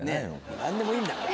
何でもいいんだから。